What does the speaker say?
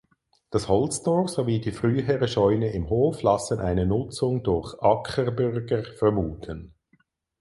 Das Holztor sowie die frühere Scheune im Hof lassen eine Nutzung durch Ackerbürger vermuten.